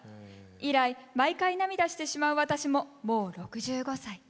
以来毎回涙してしまう私ももう６５歳。